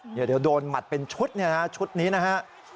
เดี๋ยวโดนหมัดเป็นชุดเนี่ยนะชุดนี้นะฮะ